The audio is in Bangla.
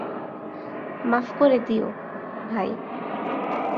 মাফ করে দিও, ভাই।